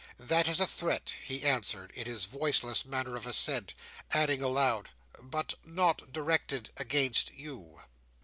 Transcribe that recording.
"That is a threat," he answered, in his voiceless manner of assent: adding aloud, "but not directed against you."